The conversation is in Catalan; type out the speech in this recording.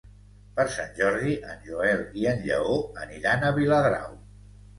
Per Sant Jordi en Joel i en Lleó aniran a Viladrau.